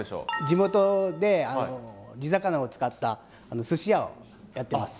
地元で地魚を使ったすし屋をやってます。